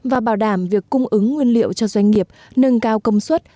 và bảo đảm việc cung ứng nguyên liệu cho doanh nghiệp nâng cao công suất